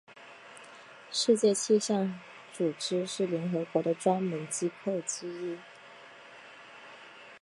世界气象组织是联合国的专门机构之一。